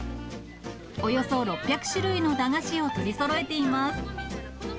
およそ６００種類の駄菓子を取りそろえています。